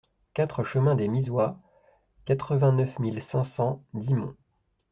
quatre chemin des Misois, quatre-vingt-neuf mille cinq cents Dixmont